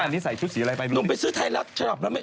นี่ใส่ชุดสีอะไรไป